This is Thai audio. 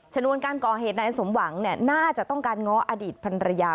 นวนการก่อเหตุนายสมหวังน่าจะต้องการง้ออดีตพันรยา